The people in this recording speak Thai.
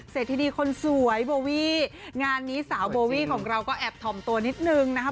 เสร็จธิดีคนสวยโบวี่งานนี้สาวโบวี่ของเราก็แอบถ่อมตัวนิดนึงนะคะ